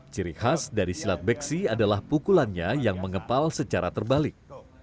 ciri khas dari silat beksi adalah pukulannya yang mengepal secara terbalik